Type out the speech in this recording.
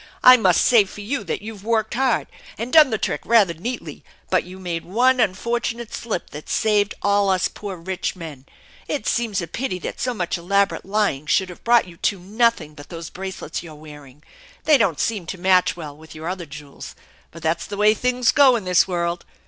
I must say for you that you've worked hard, and done the trick rather neatly, but you made one unfortunate slip that saved all us poor rich men. It seems a pity that so much elaborate lying should have brought you two nothing but those bracelets you're wearing, they don't seem to match well with your other jewels, but that's thfc way things go in this world.